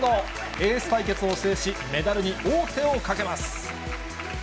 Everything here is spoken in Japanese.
エース対決を制し、メダルに王手をかけます。